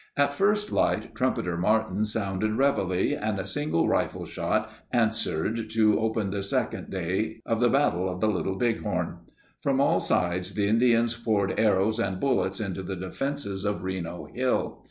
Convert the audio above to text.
At first light, Trumpeter Martin sounded reveille, and a single rifle shot answered to open the second day of the Battle of the Little Bighorn. From all sides the Indians poured arrows and bullets into the defenses of Reno Hill.